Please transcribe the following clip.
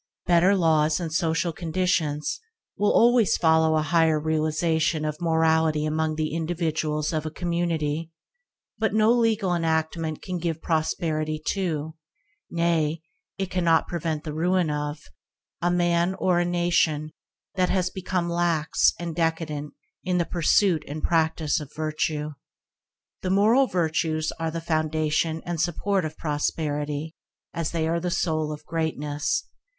Better laws and social conditions will always follow a higher realisation of morality among the individuals of a community, but no legal enactment can give prosperity to, nay it cannot prevent the ruin of, a man or a nation that has become lax and decadent in the pursuit and practice of virtue. The moral virtues are the foundation and support of prosperity as they are the soul of greatness.